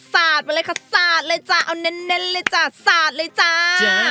สาดมาเลยค่ะสาดเลยจ้ะเอาเน้นเลยจ้ะสาดเลยจ้า